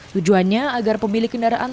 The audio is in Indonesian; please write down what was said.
tujuannya agar pemilik kendaraan